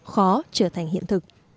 khó trở thành hiện thực